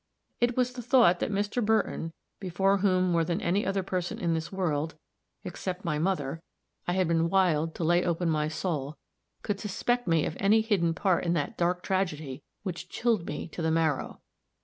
It was the thought that Mr. Burton, before whom more than any other person in this world, except my mother, I had been wiled to lay open my soul, could suspect me of any hidden part in that dark tragedy, which chilled me to the marrow.